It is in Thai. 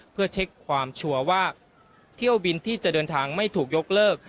เพื่อเช็คความชัวร์ว่าเที่ยวบินที่จะเดินทางไม่ถูกยกเลิก